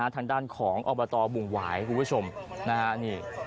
ทางด้านของอบุหวายคุณผู้ชมนะฮะ